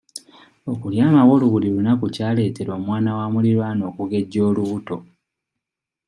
Okulya amawolu buli lunaku kyaleetera omwana wa mulirwana okugejja olubuto.